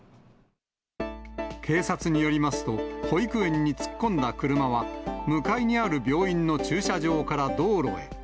警察によりますと、保育園に突っ込んだ車は、向かいにある病院の駐車場から道路へ。